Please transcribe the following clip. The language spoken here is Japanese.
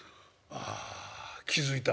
「あ気付いた？